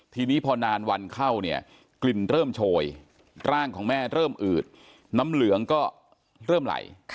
ทีนี้พอนานวันเข้าเนี่ยกลิ่นเริ่มโชยร่างของแม่เริ่มอืดน้ำเหลืองก็เริ่มไหล